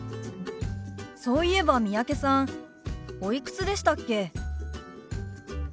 そういえば三宅さんおいくつでしたっけ？